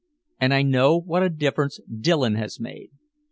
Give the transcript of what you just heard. And I know what a difference Dillon has made.